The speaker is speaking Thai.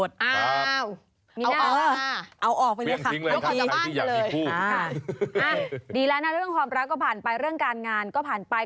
ดีแล้วนะเรื่องความรักก็ผ่านไปเรื่องการงานก็ผ่านไป